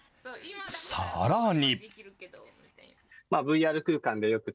さらに。